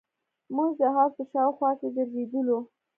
موږ د حوض په شاوخوا کښې ګرځېدلو.